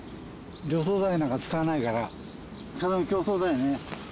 除草剤なんか使わないから草との競争だよね。